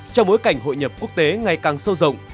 trong bối cảnh hội nhập quốc tế ngày càng sâu rộng